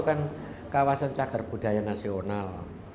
sudah dijadikan kawasan jagar budaya nasional